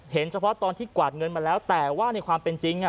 เฉพาะตอนที่กวาดเงินมาแล้วแต่ว่าในความเป็นจริง